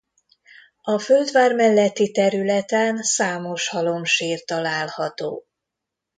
A földvár melletti területen számos halomsír található.